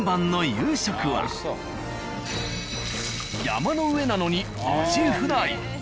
山の上なのにアジフライ。